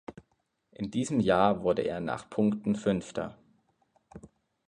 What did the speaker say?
In diesem Jahr wurde er nach Punkten Fünfter.